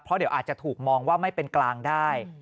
เพราะเดี๋ยวอาจจะถูกมองว่าไม่เป็นกลางได้